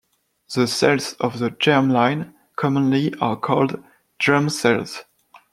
The cells of the germline commonly are called germ cells.